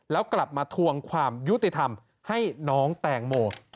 แล้วกลับมาทวงความยุติธรรมให้น้องแตงโม